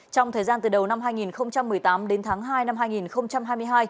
trong thời gian từ đầu năm hai nghìn một mươi tám đến tháng hai năm hai nghìn hai mươi hai